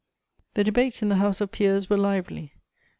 The debates in the House of Peers were lively.